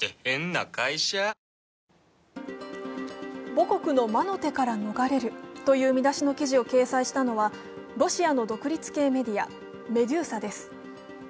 「母国の魔の手から逃れる」という見出しの記事を掲載したのはロシアの独立系メディア、メデューサです。